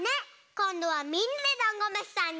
こんどはみんなでだんごむしさんに。